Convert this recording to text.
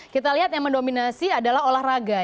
kita lihat yang mendominasi adalah olahraga